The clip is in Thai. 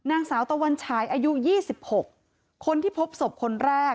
นางสาวตะวันฉายอายุ๒๖คนที่พบศพคนแรก